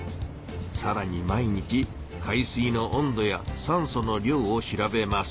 さらに毎日海水の温度やさんその量を調べます。